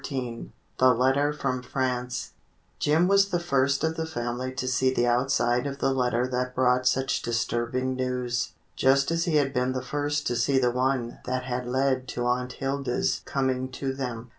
XIV The Letter from France JIM was the first of the family to see the outside of the letter that brought such disturbing news, just as he had been the first to see the one that had led to Aunt Hilda's coming to them.